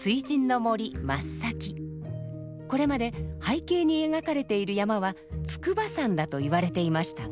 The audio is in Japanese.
これまで背景に描かれている山は筑波山だと言われていましたが。